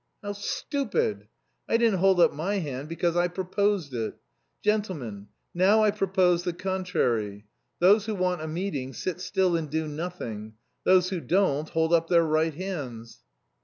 "How stupid! I didn't hold up my hand because I proposed it. Gentlemen, now I propose the contrary. Those who want a meeting, sit still and do nothing; those who don't, hold up their right hands."